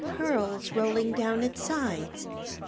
pearls rolling down its sides.